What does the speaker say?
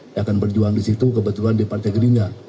saya akan berjuang di situ kebetulan di partai gelina